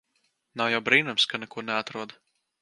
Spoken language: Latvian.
Nav jau brīnums ka neko neatrod.